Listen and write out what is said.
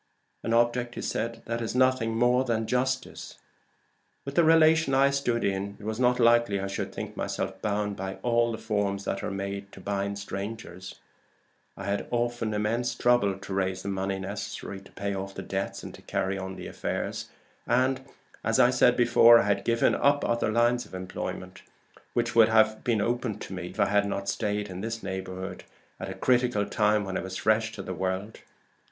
"An object that is nothing more than justice. With the relation I stood in, it was not likely I should think myself bound by all the forms that are made to bind strangers. I had often immense trouble to raise the money necessary to pay off debts and carry on the affairs; and, as I said before, I had given up other lines of advancement which would have been open to me if I had not stayed in this neighborhood at a critical time when I was fresh to the world.